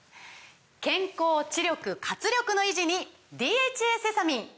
健康・知力・活力の維持に「ＤＨＡセサミン」！